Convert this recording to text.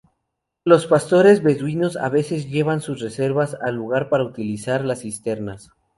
Los pastores beduinos a veces llevan sus reservas al lugar para utilizar las cisternas.